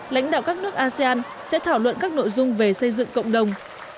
lãnh đạo các nước asean sẽ thảo luận các nội dung về xây dựng cộng đồng